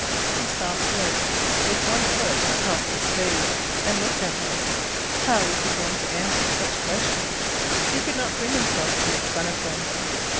He stopped work, with one foot on the top of the spade, and looked at her. How was he going to answer such questions? He could not bring himself to make fun of them.